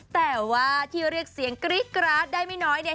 แต่ว่าที่เรียกเสียงกรี๊ดกราดได้ไม่น้อยเนี่ย